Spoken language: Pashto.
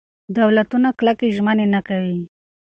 دولتونه کلکې ژمنې نه کوي.